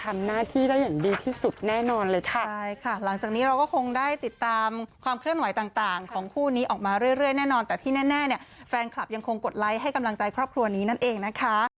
เรื่อยแน่นอนแต่ที่แน่แฟนคลับยังคงกดไลค์ให้กำลังใจครอบครัวนี้นั่นเองนะคะ